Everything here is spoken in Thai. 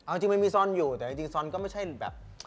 เอาจริงมันมีซอนอยู่แต่จริงซอนก็ไม่ใช่แบบ